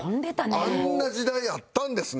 あんな時代あったんですね。